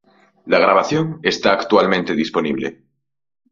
La grabación está actualmente disponible.